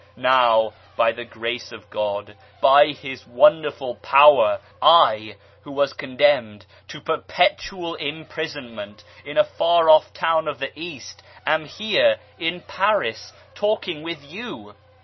Now by the Grace of God, by His wonderful Power, I, who was condemned to perpetual imprisonment in a far off town of the East, am here in Paris talking with you